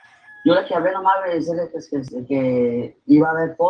Liza Levy y su esposo, Michael Levy, tienen tres hijos.